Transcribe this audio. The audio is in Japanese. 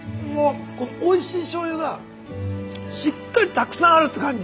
おいしい醤油がしっかりたくさんあるって感じ